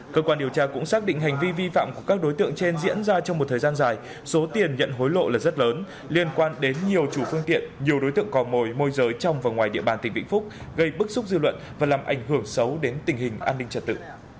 cơ quan điều tra cũng xác định hành vi vi phạm của các đối tượng trên diễn ra trong một thời gian dài số tiền nhận hối lộ là rất lớn liên quan đến nhiều chủ phương tiện nhiều đối tượng cò mồi môi giới trong và ngoài địa bàn tỉnh vĩnh phúc gây bức xúc dư luận và làm ảnh hưởng xấu đến tình hình an ninh trật tự